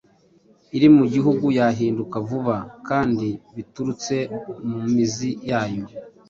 iri mu gihugu yahinduka vuba kandi biturutse mu mizi yayo,